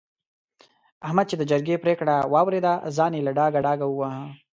احمد چې د جرګې پرېکړه واورېده؛ ځان يې له ډاګه ډاګه وواهه.